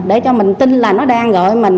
để cho mình tin là nó đang gửi mình